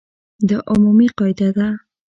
دا عمومي قاعده ده.